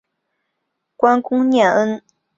观功念恩是好汉